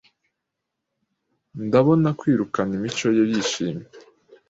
Ndabona kwirukana imico ye yishimye.